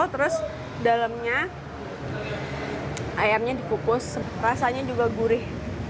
terus dalamnya ayamnya dikukus rasanya juga gurih